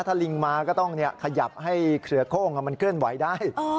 ถ้าลิงมาก็ต้องขยับให้เครือโค้งมันเคลื่อนไหวได้